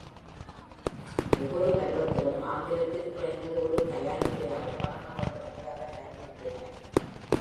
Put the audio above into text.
ஒவ்வொரு பருவத்திலும் ஆங்கிலத்தில் குறைந்தது ஒரு தயாரிப்பையாவது வழங்க வேண்டும் என்று அவர் வலியுறுத்தினார்.